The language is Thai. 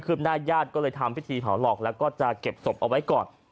หน้าญาติก็เลยทำพิธีเผาหลอกแล้วก็จะเก็บศพเอาไว้ก่อน